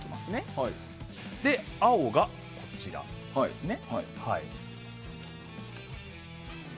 青がこちらですね。